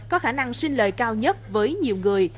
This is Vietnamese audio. có khả năng xin lời cao nhất với nhiều người